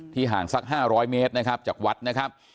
ห่างสัก๕๐๐เมตรนะครับจากวัดนะครับ